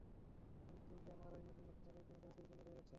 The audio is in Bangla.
কিন্তু এমআরআই মেশিন নষ্ট থাকায় তিনি তাঁর স্ত্রীকে নিয়ে বাইরে যাচ্ছেন।